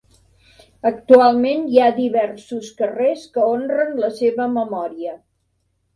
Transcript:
Actualment hi ha diversos carrers que honren la seva memòria.